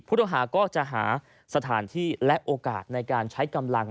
หาก็จะหาสถานที่และโอกาสในการใช้กำลัง